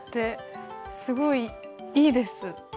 すごいいいです。